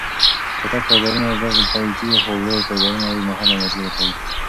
چټک فایبرونه ژر ستړې کېږي، خو ورو فایبرونه اوږدمهاله انرژي ورکوي.